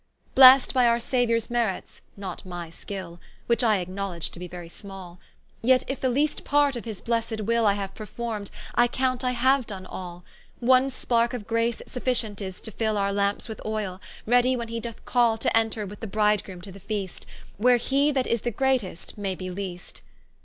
Blest by our Sauiors merits, not my skil, Which I acknowledge to be very small; Yet if the least part of his blessed Will I haue perform'd, I count I haue done all: One sparke of grace sufficient is to fill Our Lampes with oyle, ready when he doth call To enter with the Bridegroome to the feast, Where he that is the greatest may be least.